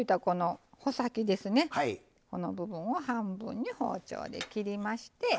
この部分を半分に包丁で切りまして。